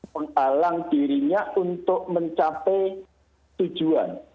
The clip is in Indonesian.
menghalang dirinya untuk mencapai tujuan